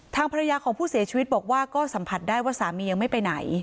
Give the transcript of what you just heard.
ทางภรรยาของผู้เสียชีวิตบอกว่าก็สัมผัสได้ว่าสามียังไม่ไปไหน